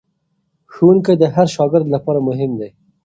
ښوونکی د هر شاګرد لپاره مهم دی.